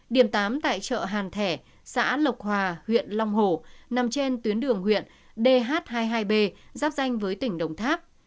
điểm tám tại chợ hàn thẻ xã lộc hòa huyện long hồ nằm trên tuyến đường huyện dh hai mươi hai b giáp danh với tỉnh đồng tháp